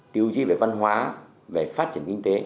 tiêu chí về văn hóa về phát triển kinh tế